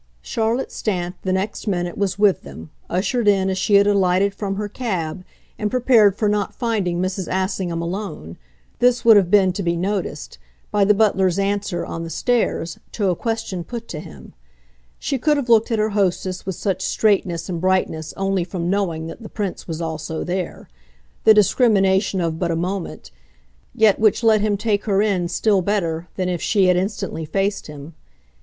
Charlotte Stant, the next minute, was with them, ushered in as she had alighted from her cab, and prepared for not finding Mrs. Assingham alone this would have been to be noticed by the butler's answer, on the stairs, to a question put to him. She could have looked at her hostess with such straightness and brightness only from knowing that the Prince was also there the discrimination of but a moment, yet which let him take her in still better than if she had instantly faced him.